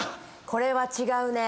これは違うね。